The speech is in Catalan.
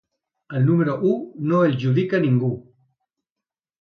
Al número u no el judica ningú.